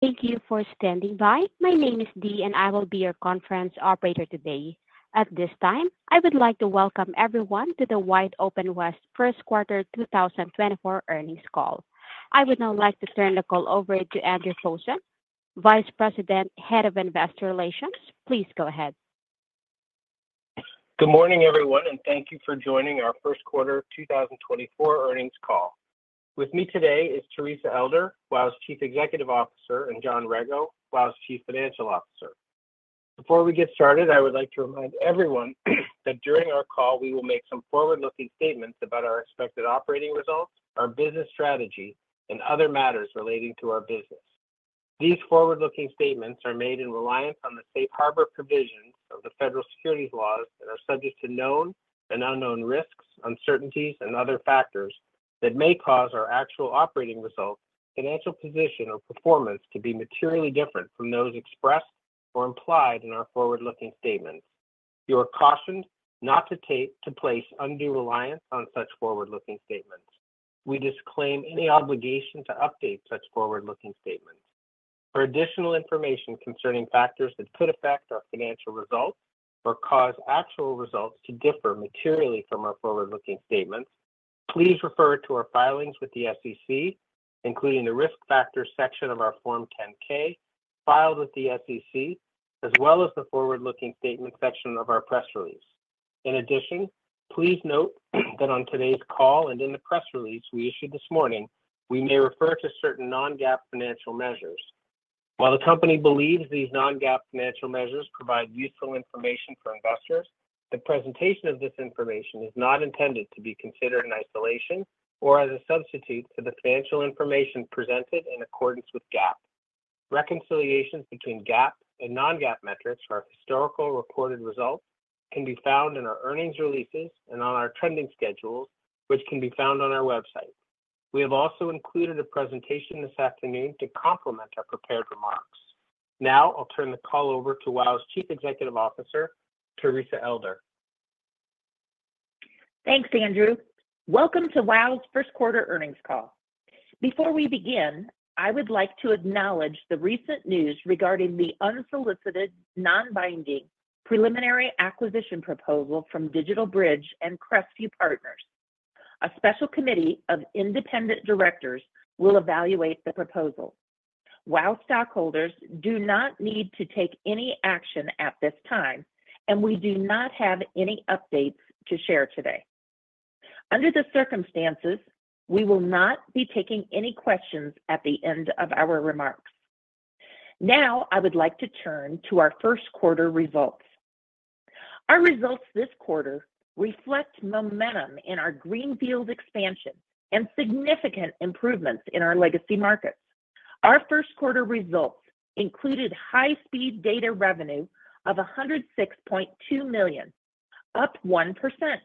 Thank you for standing by. My name is Dee, and I will be your conference operator today. At this time, I would like to welcome everyone to the WideOpen West first quarter 2024 earnings call. I would now like to turn the call over to Andrew Soucia, Vice President, Head of Investor Relations. Please go ahead. Good morning, everyone, and thank you for joining our first quarter 2024 earnings call. With me today is Teresa Elder, WOW's Chief Executive Officer, and John Rego, WOW's Chief Financial Officer. Before we get started, I would like to remind everyone that during our call, we will make some forward-looking statements about our expected operating results, our business strategy, and other matters relating to our business. These forward-looking statements are made in reliance on the safe harbor provisions of the federal securities laws and are subject to known and unknown risks, uncertainties, and other factors that may cause our actual operating results, financial position, or performance to be materially different from those expressed or implied in our forward-looking statements. You are cautioned not to place undue reliance on such forward-looking statements. We disclaim any obligation to update such forward-looking statements. For additional information concerning factors that could affect our financial results or cause actual results to differ materially from our forward-looking statements, please refer to our filings with the SEC, including the Risk Factors section of our Form 10-K filed with the SEC, as well as the Forward-Looking Statement section of our press release. In addition, please note that on today's call and in the press release we issued this morning, we may refer to certain non-GAAP financial measures. While the company believes these non-GAAP financial measures provide useful information for investors, the presentation of this information is not intended to be considered in isolation or as a substitute for the financial information presented in accordance with GAAP. Reconciliations between GAAP and non-GAAP metrics for our historical reported results can be found in our earnings releases and on our trending schedules, which can be found on our website. We have also included a presentation this afternoon to complement our prepared remarks. Now I'll turn the call over to WOW's Chief Executive Officer, Teresa Elder. Thanks, Andrew. Welcome to WOW's first quarter earnings call. Before we begin, I would like to acknowledge the recent news regarding the unsolicited, non-binding, preliminary acquisition proposal from DigitalBridge and Crestview Partners. A special committee of independent directors will evaluate the proposal. WOW stockholders do not need to take any action at this time, and we do not have any updates to share today. Under the circumstances, we will not be taking any questions at the end of our remarks. Now, I would like to turn to our first quarter results. Our results this quarter reflect momentum in our greenfield expansion and significant improvements in our legacy markets. Our first quarter results included high-speed data revenue of $106.2 million, up 1%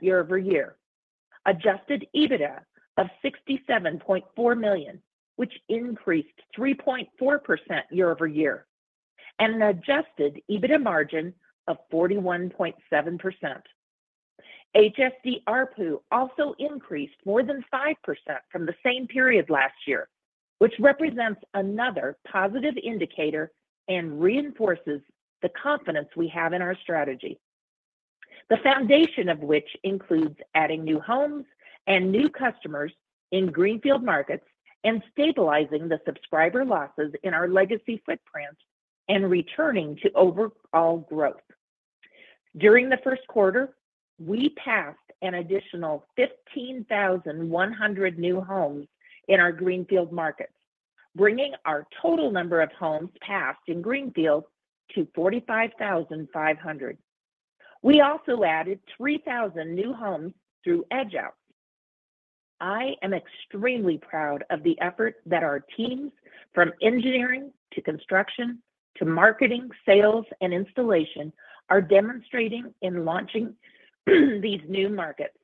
year-over-year, Adjusted EBITDA of $67.4 million, which increased 3.4% year-over-year, and an Adjusted EBITDA margin of 41.7%. HSD ARPU also increased more than 5% from the same period last year, which represents another positive indicator and reinforces the confidence we have in our strategy, the foundation of which includes adding new homes and new customers in greenfield markets and stabilizing the subscriber losses in our legacy footprint and returning to overall growth. During the first quarter, we passed an additional 15,100 new homes in our greenfield markets, bringing our total number of homes passed in greenfield to 45,500. We also added 3,000 new homes through edge out. I am extremely proud of the effort that our teams, from engineering, to construction, to marketing, sales, and installation, are demonstrating in launching these new markets.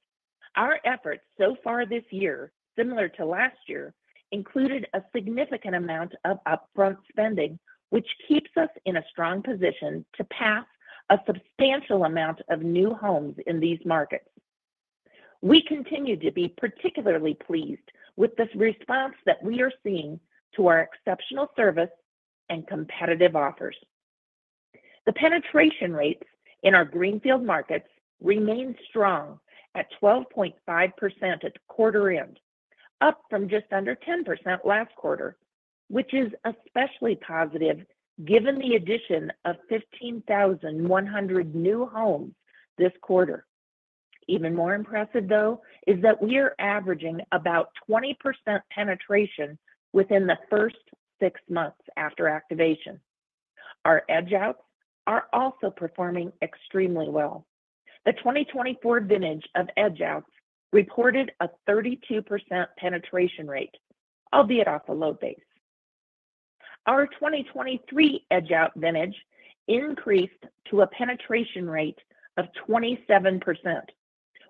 Our efforts so far this year, similar to last year, included a significant amount of upfront spending, which keeps us in a strong position to pass a substantial amount of new homes in these markets. We continue to be particularly pleased with this response that we are seeing to our exceptional service and competitive offers. The penetration rates in our Greenfield markets remain strong at 12.5% at quarter end, up from just under 10% last quarter, which is especially positive given the addition of 15,100 new homes this quarter. Even more impressive, though, is that we are averaging about 20% penetration within the first six months after activation. Our Edge Outs are also performing extremely well. The 2024 vintage of edge outs reported a 32% penetration rate, albeit off a low base. Our 2023 edge out vintage increased to a penetration rate of 27%,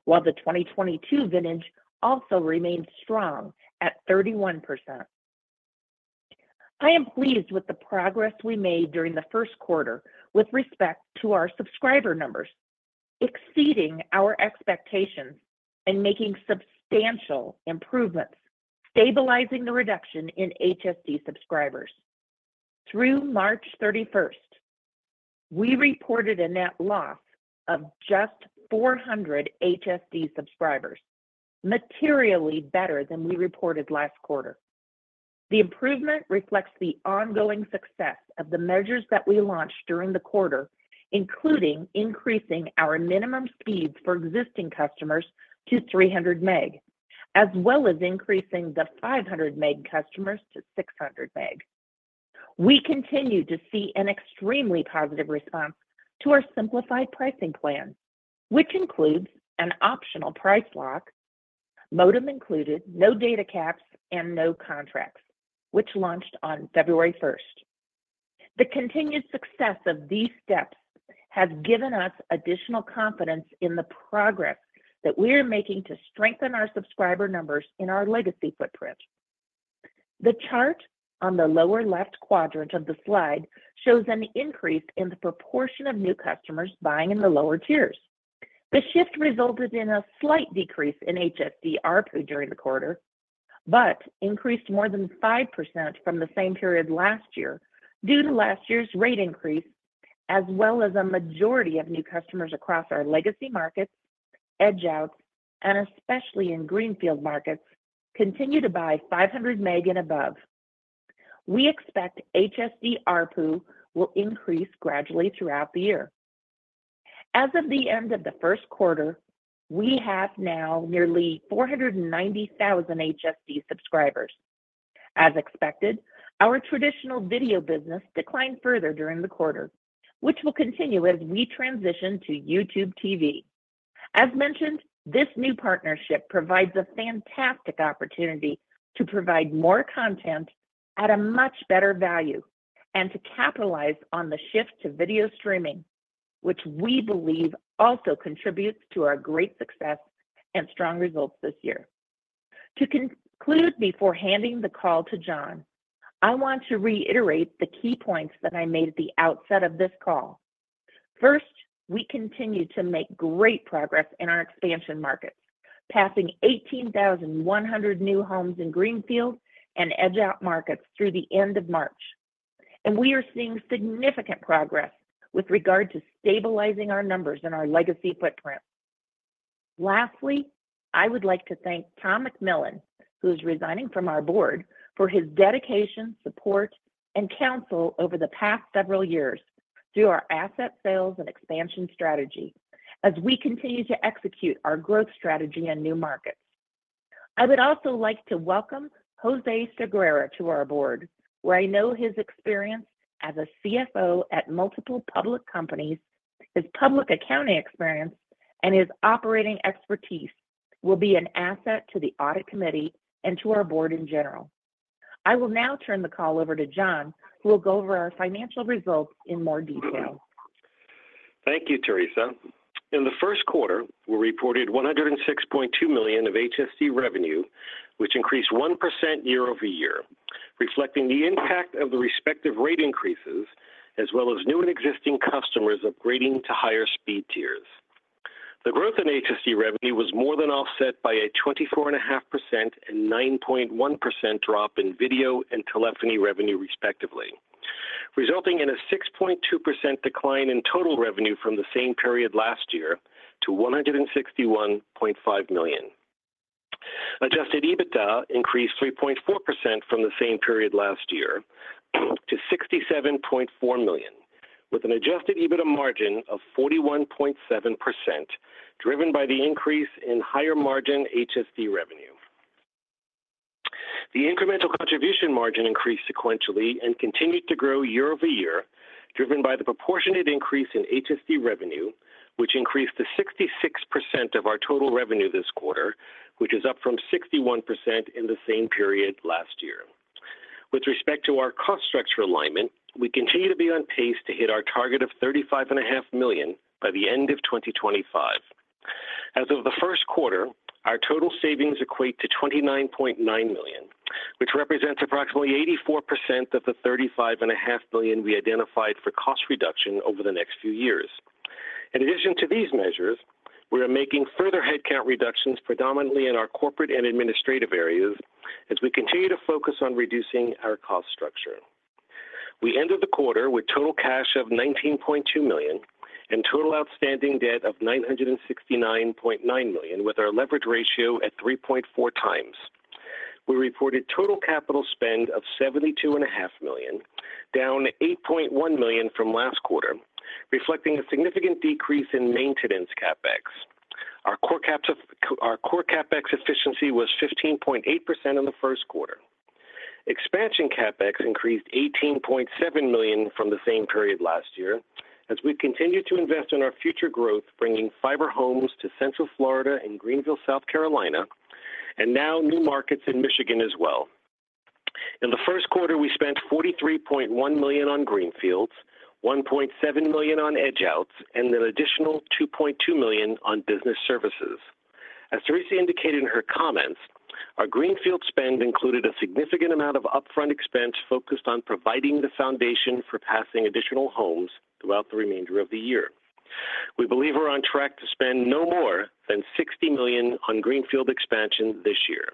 while the 2022 vintage also remains strong at 31%. I am pleased with the progress we made during the first quarter with respect to our subscriber numbers, exceeding our expectations and making substantial improvements, stabilizing the reduction in HSD subscribers. Through March 31, we reported a net loss of just 400 HSD subscribers, materially better than we reported last quarter. The improvement reflects the ongoing success of the measures that we launched during the quarter, including increasing our minimum speeds for existing customers to 300 Meg, as well as increasing the 500 Meg customers to 600 Meg. We continue to see an extremely positive response to our simplified pricing plan, which includes an optional price lock, modem included, no data caps and no contracts, which launched on February 1. The continued success of these steps has given us additional confidence in the progress that we are making to strengthen our subscriber numbers in our legacy footprint. The chart on the lower left quadrant of the slide shows an increase in the proportion of new customers buying in the lower tiers. The shift resulted in a slight decrease in HSD ARPU during the quarter, but increased more than 5% from the same period last year due to last year's rate increase, as well as a majority of new customers across our legacy markets, edge out, and especially in greenfield markets, continue to buy 500 Meg and above. We expect HSD ARPU will increase gradually throughout the year. As of the end of the first quarter, we have now nearly 490,000 HSD subscribers. As expected, our traditional video business declined further during the quarter, which will continue as we transition to YouTube TV. As mentioned, this new partnership provides a fantastic opportunity to provide more content at a much better value and to capitalize on the shift to video streaming, which we believe also contributes to our great success and strong results this year. To conclude, before handing the call to John, I want to reiterate the key points that I made at the outset of this call. First, we continue to make great progress in our expansion markets, passing 18,100 new homes in greenfield and edge out markets through the end of March, and we are seeing significant progress with regard to stabilizing our numbers in our legacy footprint. Lastly, I would like to thank Tom McMillen, who is resigning from our board, for his dedication, support, and counsel over the past several years through our asset sales and expansion strategy as we continue to execute our growth strategy in new markets. I would also like to welcome Jose Segrera to our board, where I know his experience as a CFO at multiple public companies, his public accounting experience, and his operating expertise will be an asset to the audit committee and to our board in general. I will now turn the call over to John, who will go over our financial results in more detail. Thank you, Teresa. In the first quarter, we reported $106.2 million of HSD revenue, which increased 1% year-over-year, reflecting the impact of the respective rate increases, as well as new and existing customers upgrading to higher speed tiers. The growth in HSD revenue was more than offset by a 24.5% and 9.1% drop in video and telephony revenue, respectively, resulting in a 6.2% decline in total revenue from the same period last year to $161.5 million. Adjusted EBITDA increased 3.4% from the same period last year to $67.4 million, with an Adjusted EBITDA margin of 41.7%, driven by the increase in higher margin HSD revenue. The incremental contribution margin increased sequentially and continued to grow year-over-year, driven by the proportionate increase in HSD revenue, which increased to 66% of our total revenue this quarter, which is up from 61% in the same period last year. With respect to our cost structure alignment, we continue to be on pace to hit our target of $35.5 million by the end of 2025. As of the first quarter, our total savings equate to $29.9 million, which represents approximately 84% of the $35.5 million we identified for cost reduction over the next few years. In addition to these measures, we are making further headcount reductions, predominantly in our corporate and administrative areas, as we continue to focus on reducing our cost structure. We ended the quarter with total cash of $19.2 million and total outstanding debt of $969.9 million, with our leverage ratio at 3.4 times. We reported total capital spend of $72.5 million, down $8.1 million from last quarter, reflecting a significant decrease in maintenance CapEx. Our core CapEx efficiency was 15.8% in the first quarter. Expansion CapEx increased $18.7 million from the same period last year as we continued to invest in our future growth, bringing fiber homes to Central Florida and Greenville, South Carolina, and now new markets in Michigan as well. In the first quarter, we spent $43.1 million on greenfields, $1.7 million on edge outs, and an additional $2.2 million on business services. As Teresa indicated in her comments, our greenfield spend included a significant amount of upfront expense focused on providing the foundation for passing additional homes throughout the remainder of the year. We believe we're on track to spend no more than $60 million on greenfield expansion this year.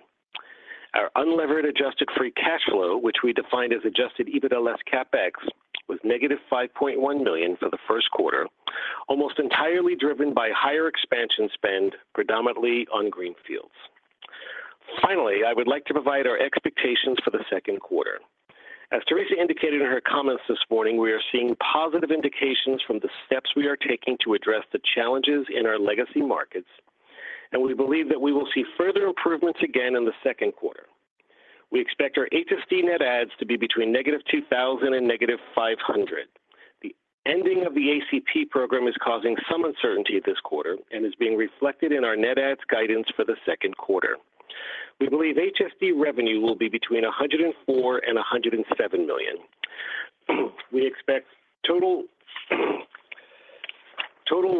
Our unlevered adjusted free cash flow, which we define as Adjusted EBITDA less CapEx, was negative $5.1 million for the first quarter, almost entirely driven by higher expansion spend, predominantly on greenfields. Finally, I would like to provide our expectations for the second quarter. As Teresa indicated in her comments this morning, we are seeing positive indications from the steps we are taking to address the challenges in our legacy markets, and we believe that we will see further improvements again in the second quarter. We expect our HSD net adds to be between -2,000 and -500. The ending of the ACP program is causing some uncertainty this quarter and is being reflected in our net adds guidance for the second quarter. We believe HSD revenue will be between $104 million and $107 million. We expect total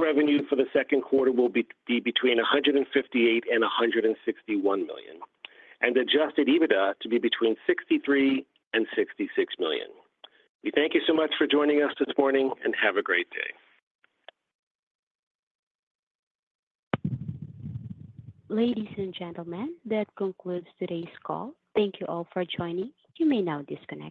revenue for the second quarter will be between $158 million and $161 million, and Adjusted EBITDA to be between $63 million and $66 million. We thank you so much for joining us this morning, and have a great day. Ladies and gentlemen, that concludes today's call. Thank you all for joining. You may now disconnect.